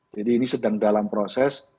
jadi ini sedang dalam proses